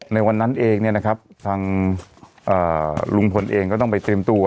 ในวันนั้นเองเนี่ยนะครับทางลุงพลเองก็ต้องไปเตรียมตัว